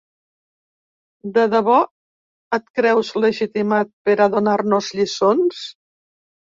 De debò et creus legitimat per a donar-nos lliçons?